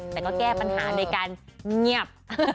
แต่ก็แก้ปัญหาโดยการเงียบ